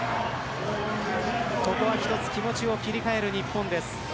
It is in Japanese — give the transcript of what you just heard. ここは、一つ気持ちを切り替える日本です。